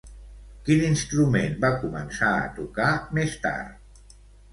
Quin instrument va començar a tocar, més tard?